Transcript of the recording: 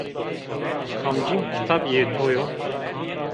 Kamcîn kitab yê to yo?